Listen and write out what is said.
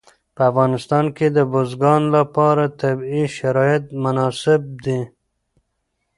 په افغانستان کې د بزګانو لپاره طبیعي شرایط مناسب دي.